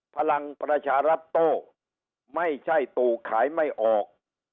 พลังประชารัฐโต้ไม่ใช่ตู่ขายไม่ออก